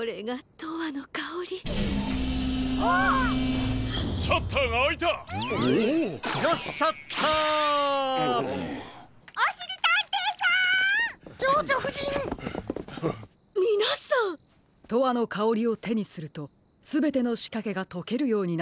「とわのかおり」をてにするとすべてのしかけがとけるようになっていたのですね。